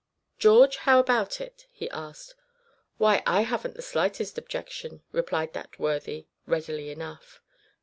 "George, how about it?" he asked. "Why, I haven't the slightest objection," replied that worthy, readily enough.